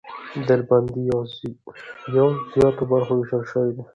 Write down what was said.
ډلبندي پر زیاتو برخو وېشل سوې ده.